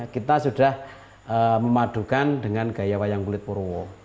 kita sudah memadukan dengan gaya wayang kulit purwo